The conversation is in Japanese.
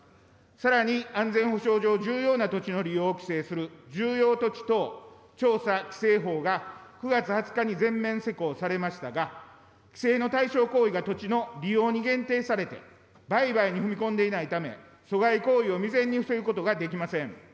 さらに、安全保障上重要な土地の利用を規制する重要土地等調査・規制法が９月２０日に全面施行されましたが、規制の対象行為が土地の利用に限定されて、売買に踏み込んでいないため、阻害行為を未然に防ぐことができません。